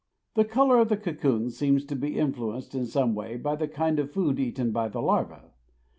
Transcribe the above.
] The color of the cocoon seems to be influenced in some way by the kind of food eaten by the larva.